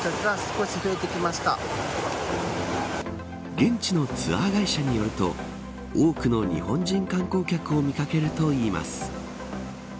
現地のツアー会社によると多くの日本人観光客を見掛けるといいます。